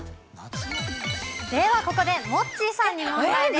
ではここでモッチーさんに問題です。